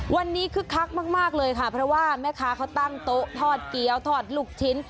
วันนี้คึกคักมากเลยค่ะเพราะว่าแม่ค้าเขาตั้งโต๊ะทอดเกี้ยวทอดลูกชิ้น